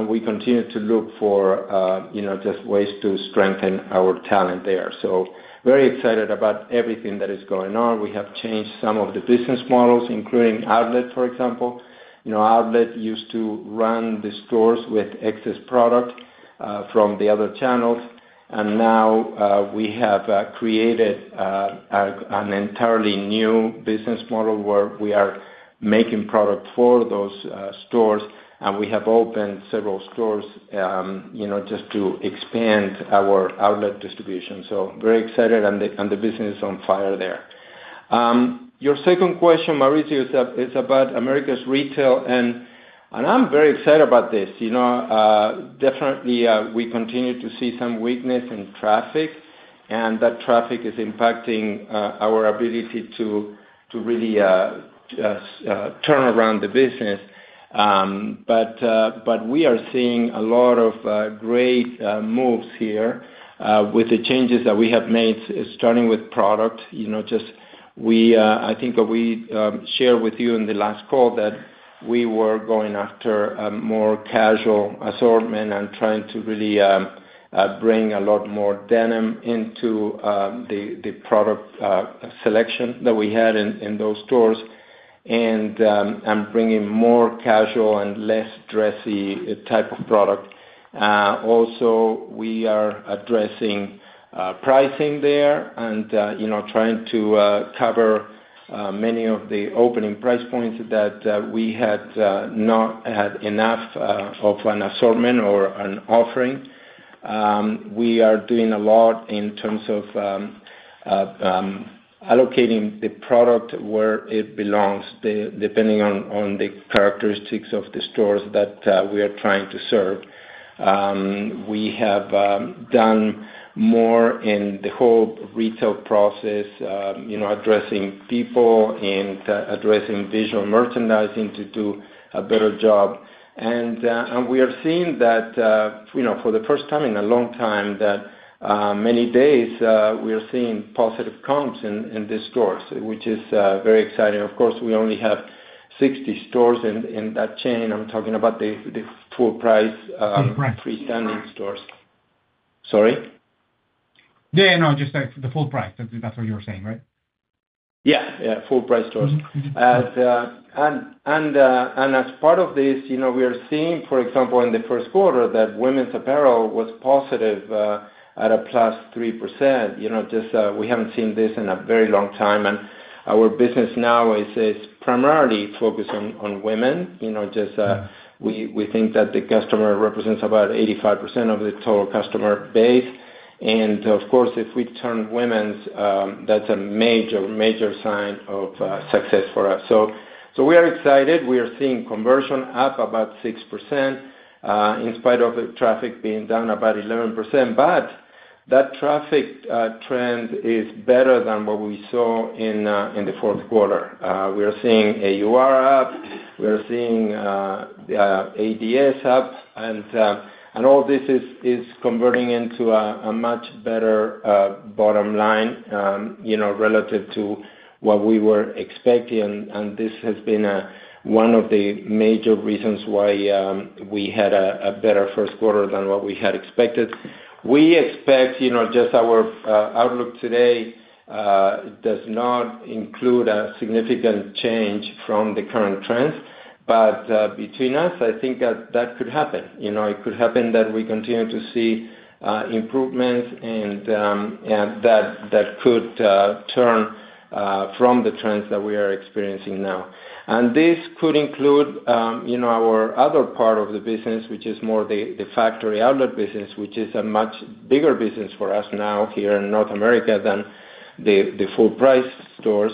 We continue to look for just ways to strengthen our talent there. Very excited about everything that is going on. We have changed some of the business models, including outlet, for example. Outlet used to run the stores with excess product from the other channels. Now we have created an entirely new business model where we are making product for those stores. We have opened several stores just to expand our outlet distribution. Very excited, and the business is on fire there. Your second question, Mauricio, is about Americas retail. I am very excited about this. Definitely, we continue to see some weakness in traffic, and that traffic is impacting our ability to really turn around the business. We are seeing a lot of great moves here with the changes that we have made, starting with product. I think we shared with you in the last call that we were going after more casual assortment and trying to really bring a lot more denim into the product selection that we had in those stores and bringing more casual and less dressy type of product. Also, we are addressing pricing there and trying to cover many of the opening price points that we had not had enough of an assortment or an offering. We are doing a lot in terms of allocating the product where it belongs, depending on the characteristics of the stores that we are trying to serve. We have done more in the whole retail process, addressing people and addressing visual merchandising to do a better job. We are seeing that for the first time in a long time, that many days we are seeing positive comps in the stores, which is very exciting. Of course, we only have 60 stores in that chain. I'm talking about the full-price freestanding stores. Sorry? Yeah, no, just the full price. That's what you were saying, right? Yeah, yeah, full-price stores. As part of this, we are seeing, for example, in the 1st quarter, that women's apparel was positive at +3%. We have not seen this in a very long time. Our business now is primarily focused on women. We think that the customer represents about 85% of the total customer base. Of course, if we turn women's, that is a major, major sign of success for us. We are excited. We are seeing conversion up about 6% in spite of the traffic being down about 11%. That traffic trend is better than what we saw in the fourth quarter. We are seeing AUR up. We are seeing ADS up. All this is converting into a much better bottom line relative to what we were expecting. This has been one of the major reasons why we had a better first quarter than what we had expected. We expect just our outlook today does not include a significant change from the current trends. Between us, I think that that could happen. It could happen that we continue to see improvements and that could turn from the trends that we are experiencing now. This could include our other part of the business, which is more the factory outlet business, which is a much bigger business for us now here in North America than the full-price stores.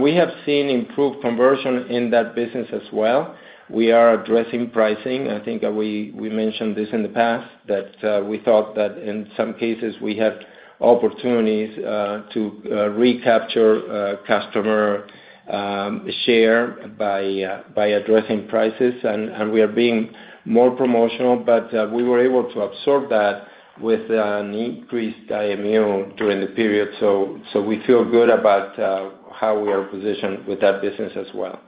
We have seen improved conversion in that business as well. We are addressing pricing. I think we mentioned this in the past, that we thought that in some cases we had opportunities to recapture customer share by addressing prices. We are being more promotional, but we were able to absorb that with an increased IMU during the period. We feel good about how we are positioned with that business as well.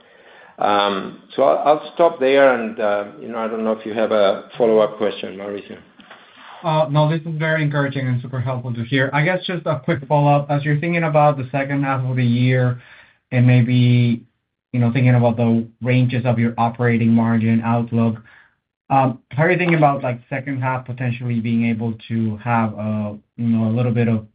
I will stop there. I do not know if you have a follow-up question, Mauricio. No, this is very encouraging and super helpful to hear. I guess just a quick follow-up. As you are thinking about the 2nd half of the year and maybe thinking about the ranges of your operating margin outlook, how are you thinking about second half potentially being able to have a little bit of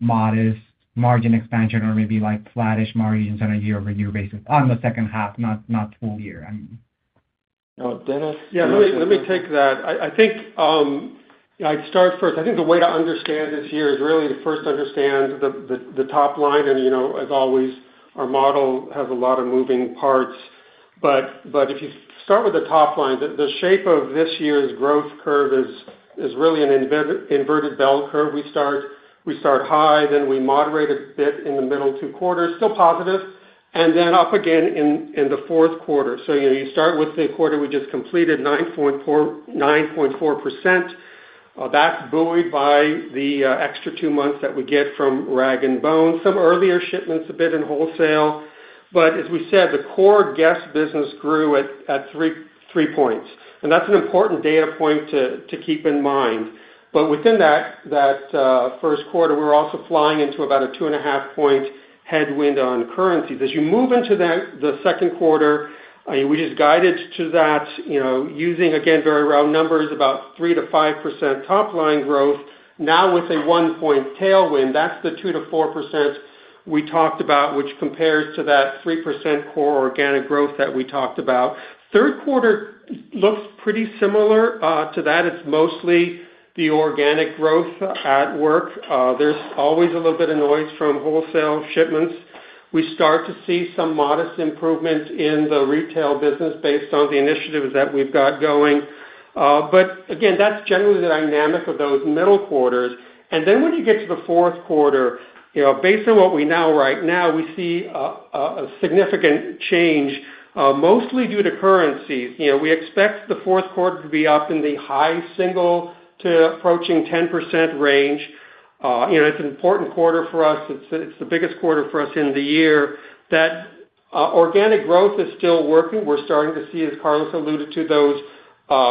modest margin expansion or maybe flattish margins on a year-over-year basis on the 2nd half, not full year? Dennis? Yeah, let me take that. I think I would start first. I think the way to understand this year is really to first understand the top line. As always, our model has a lot of moving parts. If you start with the top line, the shape of this year's growth curve is really an inverted bell curve. We start high, then we moderate a bit in the middle two quarters, still positive, and then up again in the fourth quarter. You start with the quarter we just completed, 9.4%. That is buoyed by the extra two months that we get from rag & bone. Some earlier shipments a bit in wholesale. As we said, the core Guess? business grew at three points. That is an important data point to keep in mind. Within that 1st quarter, we are also flying into about a two-and-a-half-point headwind on currencies. As you move into the 2nd quarter, we just guided to that using, again, very round numbers, about 3-5% top-line growth. Now with a one-point tailwind, that's the 2%-4% we talked about, which compares to that 3% core organic growth that we talked about. 3rd quarter looks pretty similar to that. It's mostly the organic growth at work. There's always a little bit of noise from wholesale shipments. We start to see some modest improvements in the retail business based on the initiatives that we've got going. Again, that's generally the dynamic of those middle quarters. When you get to the 4th quarter, based on what we know right now, we see a significant change, mostly due to currencies. We expect the fourth quarter to be up in the high single to approaching 10% range. It's an important quarter for us. It's the biggest quarter for us in the year. That organic growth is still working. We're starting to see, as Carlos alluded to, those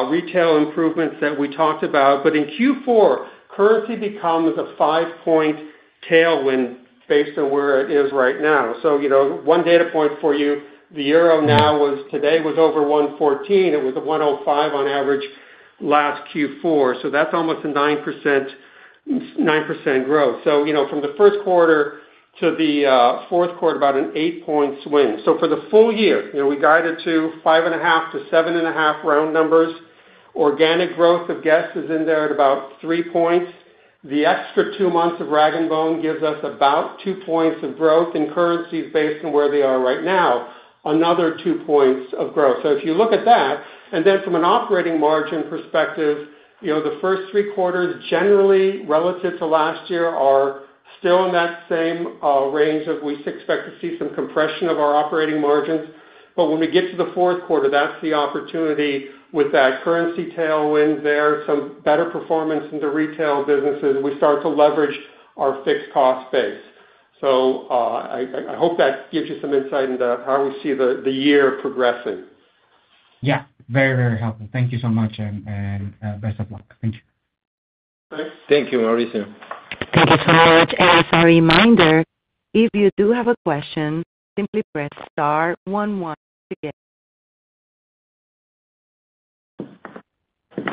retail improvements that we talked about. In Q4, currency becomes a five-point tailwind based on where it is right now. One data point for you, the euro now today was over 1.14. It was 1.05 on average last Q4. That's almost a 9% growth. From the first quarter to the fourth quarter, about an eight-point swing. For the full year, we guided to 5.5%-7.5% round numbers. Organic growth of Guess? is in there at about three points. The extra two months of rag & bone gives us about two points of growth in currencies based on where they are right now, another two points of growth. If you look at that, and then from an operating margin perspective, the 1st three quarters generally relative to last year are still in that same range of we expect to see some compression of our operating margins. When we get to the 4th quarter, that's the opportunity with that currency tailwind there, some better performance in the retail businesses. We start to leverage our fixed cost base. I hope that gives you some insight into how we see the year progressing. Yeah, very, very helpful. Thank you so much. And best of luck. Thank you. Thanks. Thank you, Mauricio. Thank you so much. As a reminder, if you do have a question, simply press star 11 to get. Hello. Is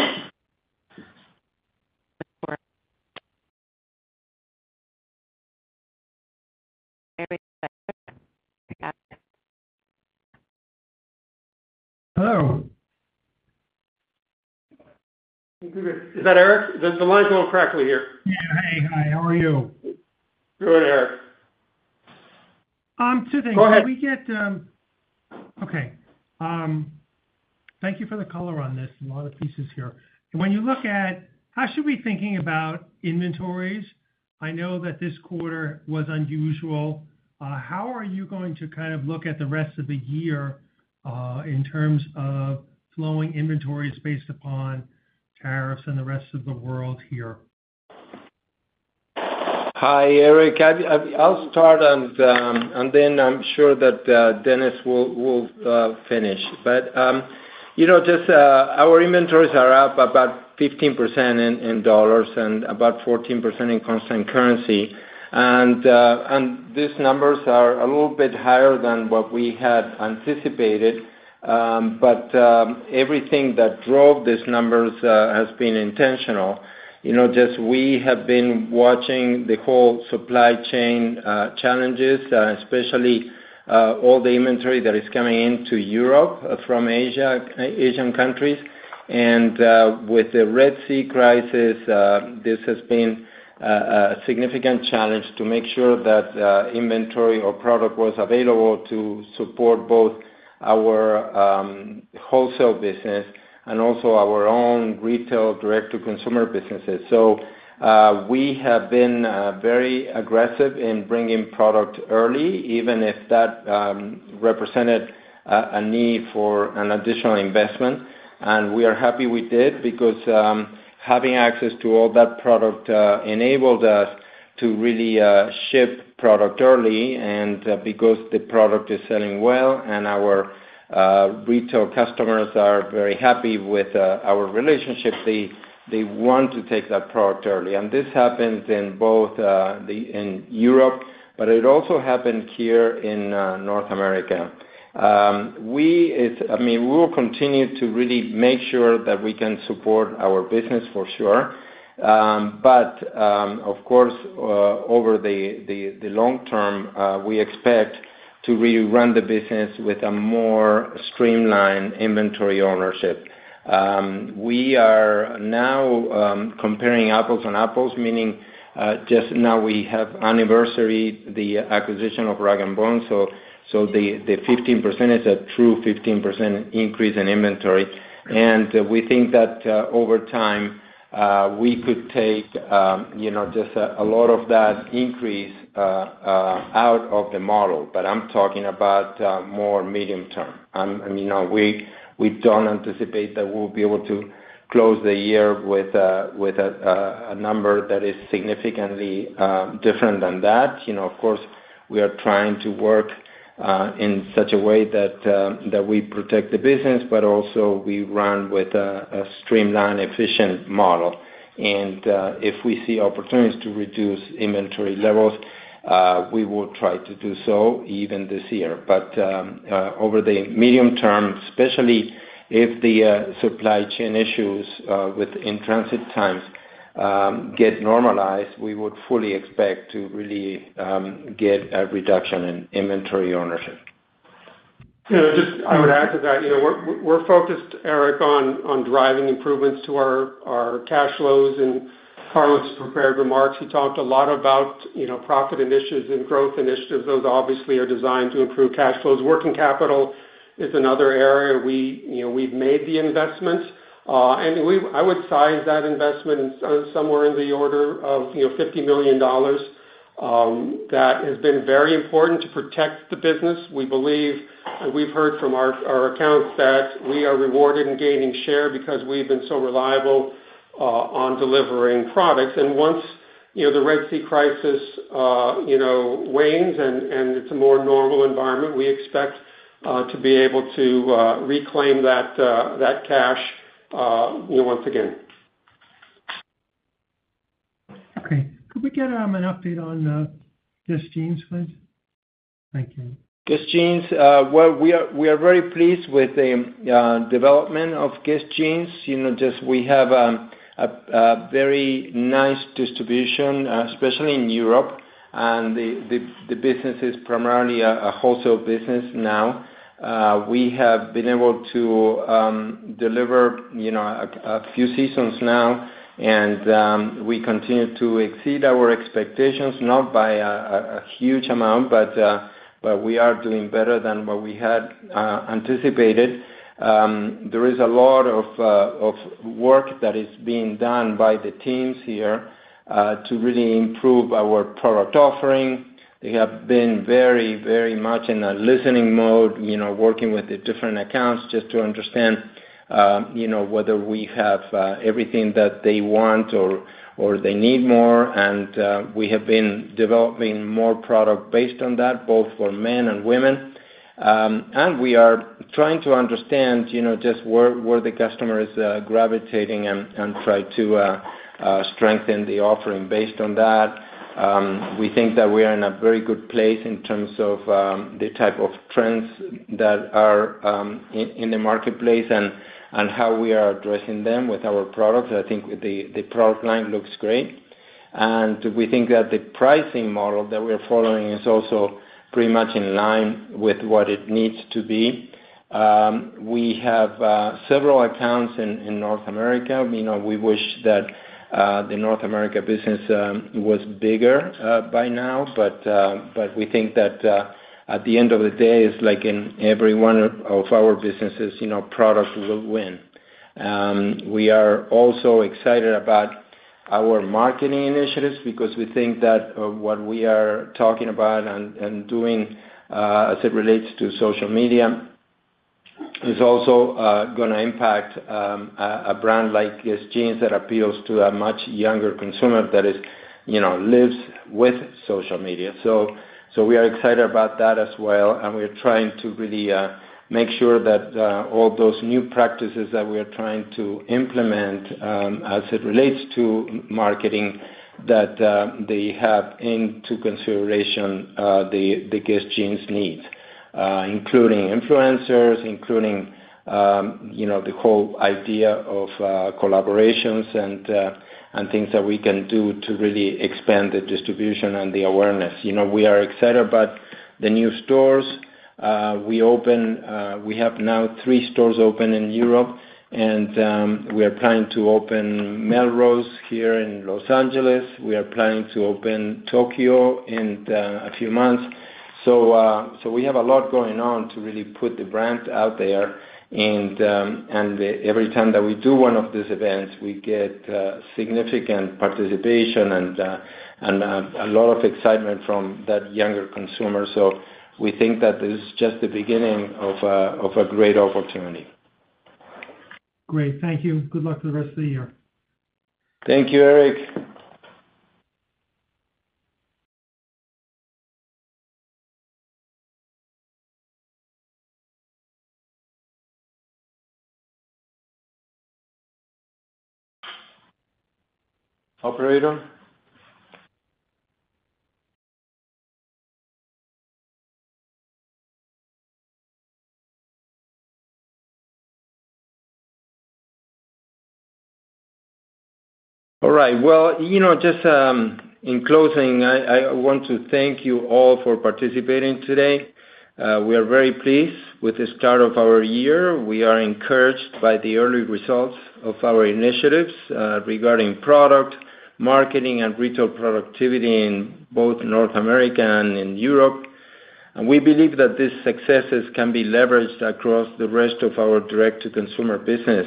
that Eric? The line's going correctly here. Yeah. Hey, hi. How are you? Good, Eric. Two things. Go ahead. Okay. Thank you for the color on this. A lot of pieces here. When you look at how should we be thinking about inventories? I know that this quarter was unusual. How are you going to kind of look at the rest of the year in terms of flowing inventories based upon tariffs and the rest of the world here? Hi, Eric. I'll start, and then I'm sure that Dennis will finish. Just our inventories are up about 15% in dollars and about 14% in constant currency. These numbers are a little bit higher than what we had anticipated. Everything that drove these numbers has been intentional. We have been watching the whole supply chain challenges, especially all the inventory that is coming into Europe from Asian countries. With the Red Sea crisis, this has been a significant challenge to make sure that inventory or product was available to support both our wholesale business and also our own retail direct-to-consumer businesses. We have been very aggressive in bringing product early, even if that represented a need for an additional investment. We are happy we did because having access to all that product enabled us to really ship product early. Because the product is selling well and our retail customers are very happy with our relationship, they want to take that product early. This happened in both in Europe, but it also happened here in North America. I mean, we will continue to really make sure that we can support our business for sure. Of course, over the long term, we expect to really run the business with a more streamlined inventory ownership. We are now comparing apples and apples, meaning just now we have anniversary the acquisition of rag & bone. So the 15% is a true 15% increase in inventory. We think that over time, we could take just a lot of that increase out of the model. I mean, we do not anticipate that we will be able to close the year with a number that is significantly different than that. Of course, we are trying to work in such a way that we protect the business, but also we run with a streamlined efficient model. If we see opportunities to reduce inventory levels, we will try to do so even this year. Over the medium term, especially if the supply chain issues within transit times get normalized, we would fully expect to really get a reduction in inventory ownership. Yeah, just I would add to that. We are focused, Eric, on driving improvements to our cash flows. In Carlos' prepared remarks, he talked a lot about profit initiatives and growth initiatives. Those obviously are designed to improve cash flows. Working capital is another area we have made the investments. I would size that investment somewhere in the order of $50 million. That has been very important to protect the business. We believe, and we have heard from our accounts, that we are rewarded in gaining share because we have been so reliable on delivering products. Once the Red Sea crisis wanes and it is a more normal environment, we expect to be able to reclaim that cash once again. Okay. Could we get an update on Guess jeans, please? Thank you. Guess jeans. We are very pleased with the development of Guess jeans. We have a very nice distribution, especially in Europe. The business is primarily a wholesale business now. We have been able to deliver a few seasons now, and we continue to exceed our expectations, not by a huge amount, but we are doing better than what we had anticipated. There is a lot of work that is being done by the teams here to really improve our product offering. They have been very, very much in a listening mode, working with the different accounts just to understand whether we have everything that they want or they need more. We have been developing more product based on that, both for men and women. We are trying to understand just where the customer is gravitating and try to strengthen the offering based on that. We think that we are in a very good place in terms of the type of trends that are in the marketplace and how we are addressing them with our products. I think the product line looks great. We think that the pricing model that we are following is also pretty much in line with what it needs to be. We have several accounts in North America. We wish that the North America business was bigger by now, but we think that at the end of the day, it's like in every one of our businesses, product will win. We are also excited about our marketing initiatives because we think that what we are talking about and doing as it relates to social media is also going to impact a brand like Guess jeans that appeals to a much younger consumer that lives with social media. We are excited about that as well. We are trying to really make sure that all those new practices that we are trying to implement as it relates to marketing have into consideration the Guess jeans needs, including influencers, including the whole idea of collaborations and things that we can do to really expand the distribution and the awareness. We are excited about the new stores. We have now three stores open in Europe, and we are planning to open Melrose here in Los Angeles. We are planning to open Tokyo in a few months. We have a lot going on to really put the brand out there. Every time that we do one of these events, we get significant participation and a lot of excitement from that younger consumer. We think that this is just the beginning of a great opportunity. Great. Thank you. Good luck for the rest of the year. Thank you, Eric. Operator. All right. Just in closing, I want to thank you all for participating today. We are very pleased with the start of our year. We are encouraged by the early results of our initiatives regarding product, marketing, and retail productivity in both North America and in Europe. We believe that these successes can be leveraged across the rest of our direct-to-consumer business,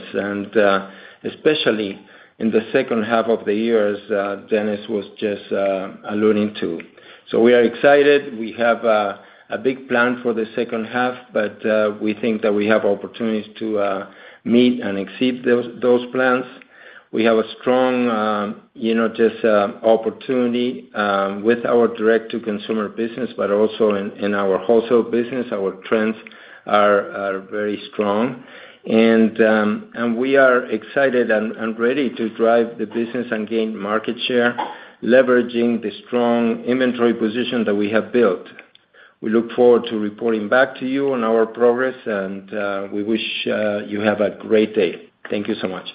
especially in the second half of the year as Dennis was just alluding to. We are excited. We have a big plan for the second half, but we think that we have opportunities to meet and exceed those plans. We have a strong opportunity with our direct-to-consumer business, but also in our wholesale business. Our trends are very strong. We are excited and ready to drive the business and gain market share, leveraging the strong inventory position that we have built. We look forward to reporting back to you on our progress, and we wish you a great day. Thank you so much.